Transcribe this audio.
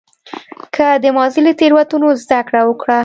که د ماضي له تېروتنو زده کړه وکړه.